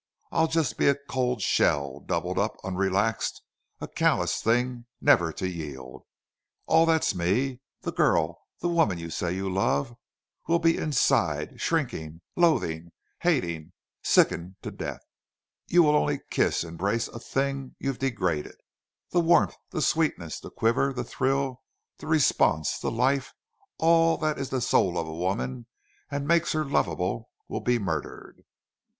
I'll just be a cold shell, doubled up, unrelaxed, a callous thing never to yield.... All that's ME, the girl, the woman you say you love will be inside, shrinking, loathing, hating, sickened to death. You will only kiss embrace a thing you've degraded. The warmth, the sweetness, the quiver, the thrill, the response, the life all that is the soul of a woman and makes her lovable will be murdered."